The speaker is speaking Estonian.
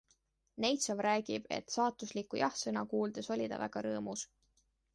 Neitsov räägib, et saatuslikku jah-sõna kuuldes oli ta väga rõõmus.